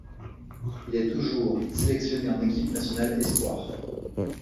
Il est toujours sélectionné en équipe nationale espoirs.